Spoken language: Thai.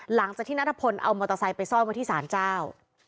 หลังจากที่นัทพลเอามอเตอร์ไซค์ไปซ่อนไว้ที่ศาลเจ้า